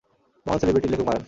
মহান সেলিব্রেটি লেখক মারান।